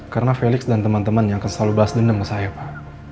karena felix dan teman teman yang akan selalu bahas dendam ke saya pak